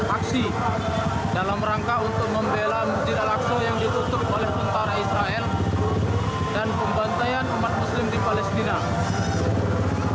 aksi dalam rangka untuk membela majid al aqsa yang ditutup